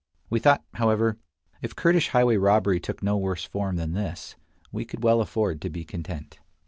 We thought, however, if Kurdish highway robbery took no worse form than this, we could well afford to be content.